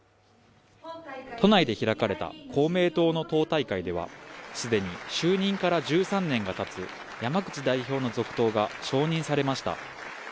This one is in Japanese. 都内で開かれた公明党の党大会では既に就任から１３年がたつ山口代表の続投が承認されました。